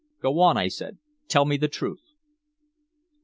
"Go on," I said. "Tell me the truth."